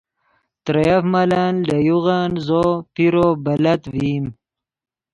ترے یف ملن لے یوغن زو پیرو بلت ڤئیم